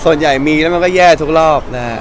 ส่วนใหญ่มีแล้วมันก็แย่ทุกรอบนะฮะ